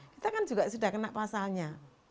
kita kan juga sudah kena pasalnya